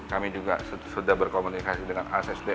kami juga sudah berkomunikasi dengan assd